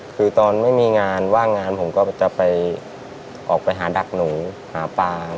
คือตอนไม่มีงานว่างงานผมก็จะไปออกไปหาดักหนูหาปลา